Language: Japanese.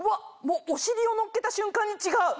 もうお尻をのっけた瞬間に違う！